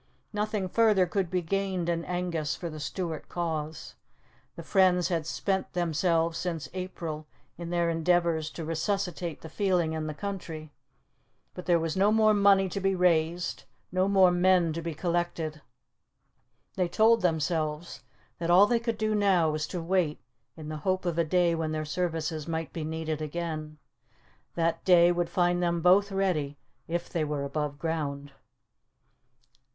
Nothing further could be gained in Angus for the Stuart cause. The friends had spent themselves since April in their endeavours to resuscitate the feeling in the country, but there was no more money to be raised, no more men to be collected. They told themselves that all they could do now was to wait in the hope of a day when their services might be needed again. That day would find them both ready, if they were above ground.